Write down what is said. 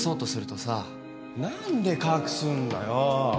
何で隠すんだよ？